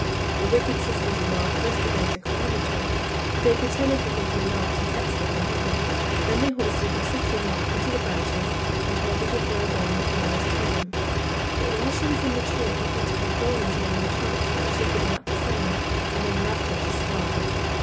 The wicked sisters in law at first began to climb the tree, but they pretended that they could not and kept slipping down; then they hoisted their sister in law into the branches and told her to throw down the flowers to them. But while she was in the tree, they tied thorns round the trunk so that she could not descend and then left her to starve.